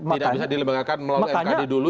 tidak bisa dilembagakan melalui mkd dulu